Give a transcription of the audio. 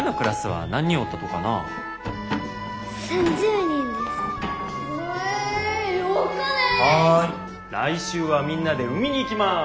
はい来週はみんなで海に行きます。